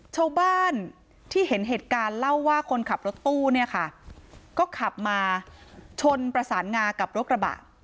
ชาวบ้านที่เห็นเหตุการณ์เล่าว่าคนขับรถตู้เนี่ยค่ะก็ขับมาชนประสานงากับรถกระบะ